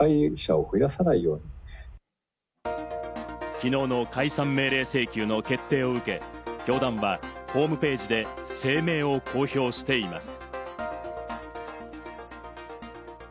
きのうの解散命令請求の決定を受け、教団はホームページで声明を公表しています。